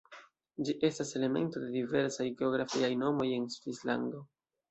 Ĝi estas elemento de diversaj geografiaj nomoj en Svislando.